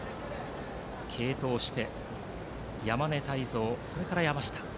継投して山根汰三、それから山下。